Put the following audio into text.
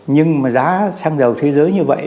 nhưng mà giá xăng dầu thế giới như vậy